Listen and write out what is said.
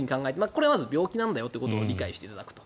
これはまず病気なんだよというのを理解していただくと。